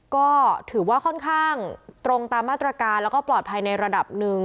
ก็ถือว่าค่อนข้างตรงตามมาตรการแล้วก็ปลอดภัยในระดับหนึ่ง